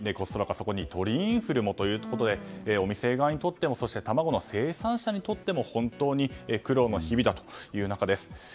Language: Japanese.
それに鳥インフルもということでお店側にとってもそして卵の生産者にとっても本当に苦労の日々という中です。